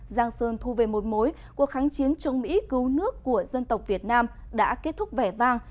giang sơn thu về một mối cuộc kháng chiến chống mỹ cứu nước của dân tộc việt nam đã kết thúc vẻ vang